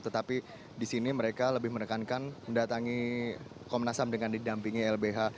tetapi di sini mereka lebih menekankan mendatangi komnasam dengan didampingi lbh